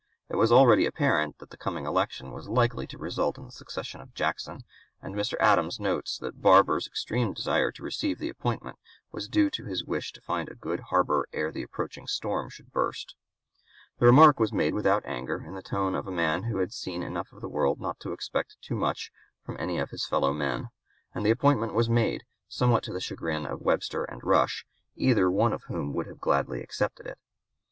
It was already apparent that the coming election was likely to result in the succession of Jackson, and Mr. Adams notes that Barbour's extreme desire to receive the appointment was due to his wish to find a good harbor ere the approaching storm should burst. The remark was made without anger, in the tone of a man who had seen enough of the world not to expect too much from any of his fellow men; and the appointment was made, somewhat to the chagrin of Webster and Rush, either one of whom would have gladly accepted it.